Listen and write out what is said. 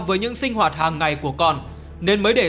với những sinh hoạt hàng ngày của con nên mới để